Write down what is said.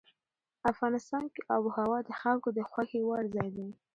افغانستان کې آب وهوا د خلکو د خوښې وړ ځای دی.